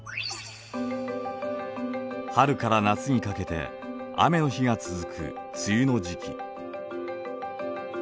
春から夏にかけて雨の日が続く梅雨の時期。